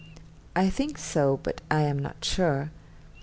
I think so, but I am not sure.